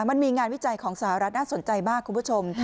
มันมีงานวิจัยของสหรัฐน่าสนใจมากคุณผู้ชม